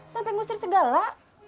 sampai ngusir segala